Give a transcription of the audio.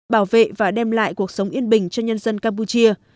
bảo vệ và đem lại cuộc sống yên bình cho nhân dân campuchia